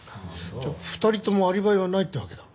じゃあ２人ともアリバイはないってわけだ。